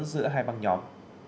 giữa hai băng nhóm